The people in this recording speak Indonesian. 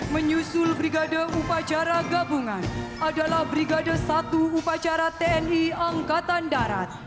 menyusul brigade upacara gabungan adalah brigade satu upacara tni angkatan darat